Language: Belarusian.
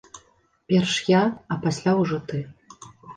Перш я, а пасля ўжо ты.